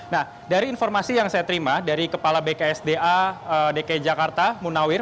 nah dari informasi yang saya terima dari kepala bksda dki jakarta munawir